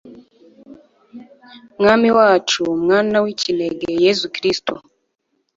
mwami wacu, mwana w'ikinege yezu kristu